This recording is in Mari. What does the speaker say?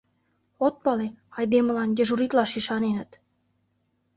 От пале, айдемылан дежуритлаш ӱшаненыт!